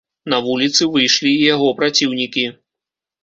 На вуліцы выйшлі і яго праціўнікі.